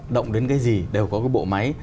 động đến cái gì đều có cái bộ máy